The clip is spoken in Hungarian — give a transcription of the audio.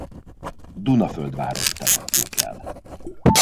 Dunaföldváron temették el.